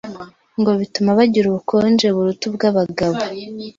ngo bituma bagira ubukonje buruta ubw’abagabo